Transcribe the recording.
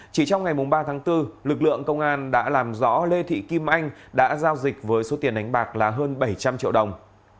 chỉ trong ngày ba tháng bốn lực lượng công an đã làm rõ lê thị kim anh đã giao dịch với số tiền đánh bạc là hơn bảy trăm linh triệu đồng